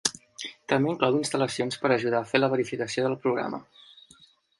També inclou instal·lacions per ajudar a fer la verificació del programa.